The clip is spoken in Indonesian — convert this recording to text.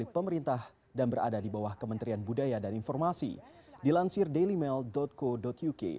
pemerintah dan berada di bawah kementerian budaya dan informasi dilansir dailymail co uk